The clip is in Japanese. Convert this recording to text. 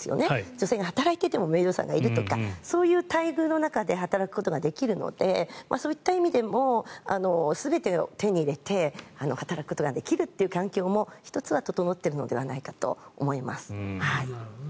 女性が働いていてもメイドさんがいるとかそういう待遇の中で働くことができるのでそういった意味でも全てを手に入れて働くことができるという環境も１つ、整っているんじゃないかと思います。